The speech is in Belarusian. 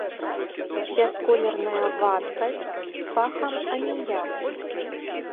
Бясколерная вадкасць з пахам аміяку.